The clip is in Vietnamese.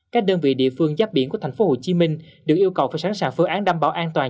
các đơn vị địa phương giáp biển của tp hcm được yêu cầu phải sẵn sàng phương án đảm bảo an toàn